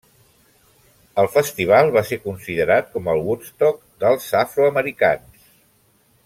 El festival va ser considerat com el Woodstock dels afroamericans.